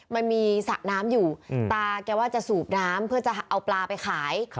มันมีสระน้ำอยู่ตาแกว่าจะสูบน้ำเพื่อจะเอาปลาไปขาย